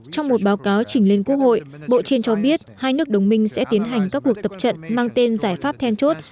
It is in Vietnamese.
trong một báo cáo chỉnh lên quốc hội bộ trên cho biết hai nước đồng minh sẽ tiến hành các cuộc tập trận mang tên giải pháp then chốt